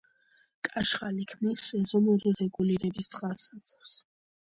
კაშხალი ქმნის სეზონური რეგულირების წყალსაცავს.